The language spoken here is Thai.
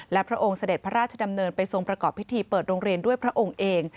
และพระองค์เสด็จพระราชดำเนินไปทรงประกอบพิธีเปิดโรงเรียนด้วยพระองค์เอง